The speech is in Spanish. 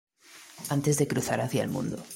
Antes de cruzar hacia el mundo.